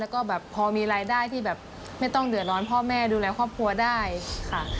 แล้วก็แบบพอมีรายได้ที่แบบไม่ต้องเดือดร้อนพ่อแม่ดูแลครอบครัวได้ค่ะ